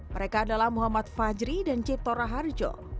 mereka adalah muhammad fajri dan cipto raharjo